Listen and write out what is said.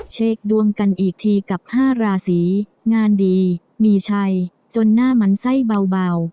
เช็คดวงกันอีกทีกับ๕ราศีงานดีมีชัยจนหน้ามันไส้เบา